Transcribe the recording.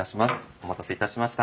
お待たせしました。